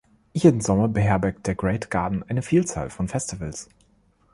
Jeden Sommer beherbergt der Great Garden eine Vielzahl von Festivals.